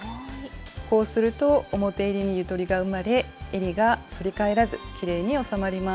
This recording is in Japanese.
こうすると表えりにゆとりが生まれえりが反り返らずきれいに収まります。